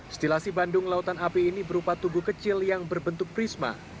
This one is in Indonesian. stilasi bandung lautan api ini berupa tugu kecil yang berbentuk prisma